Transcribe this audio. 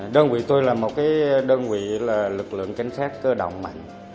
đơn vị tôi là một đơn vị là lực lượng cảnh sát cơ động mạnh